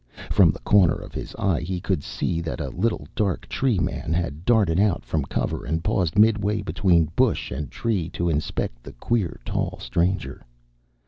From the corner of his eye he could see that a little dark tree man had darted out from cover and paused midway between bush and tree to inspect the queer, tall stranger.